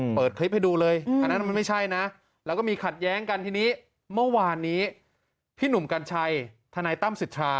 เปิดคลิปให้ดูเลยอันนั้นมันไม่ใช่นะแล้วก็มีขัดแย้งกันทีนี้เมื่อวานนี้พี่หนุ่มกัญชัยทนายตั้มสิทธา